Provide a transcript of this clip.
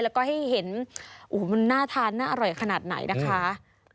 แล้วก็ให้เห็นโอ้โหมันน่าทานน่าอร่อยขนาดไหนนะคะ